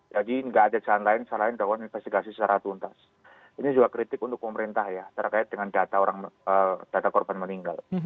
jadi gak ada jalan lain selain daun investigasi secara tuntas ini juga kritik untuk pemerintah ya terkait dengan data korban meninggal